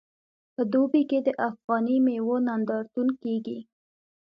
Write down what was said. په دوبۍ کې د افغاني میوو نندارتون کیږي.